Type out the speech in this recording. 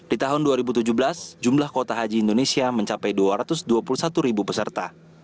di tahun dua ribu tujuh belas jumlah kuota haji indonesia mencapai dua ratus dua puluh satu ribu peserta